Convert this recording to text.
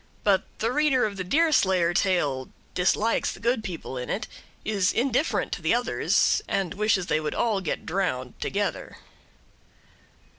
But the reader of the Deerslayer tale dislikes the good people in it, is indifferent to the others, and wishes they would all get drowned together.